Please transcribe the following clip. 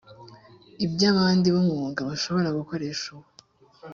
iby abandi b umwuga bashobora gukoresha uwo